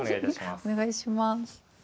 お願いします。